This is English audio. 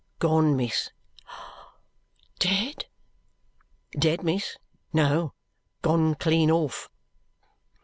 "Gone, miss. "Dead!" "Dead, miss? No. Gone clean off."